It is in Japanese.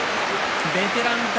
ベテラン宝